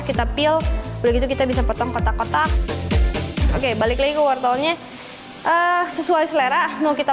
kita peal udah gitu kita bisa potong kotak kotak oke balik lagi ke wortelnya sesuai selera mau kita